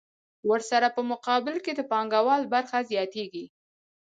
ورسره په مقابل کې د پانګوال برخه زیاتېږي